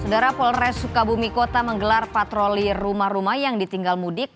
saudara polres sukabumi kota menggelar patroli rumah rumah yang ditinggal mudik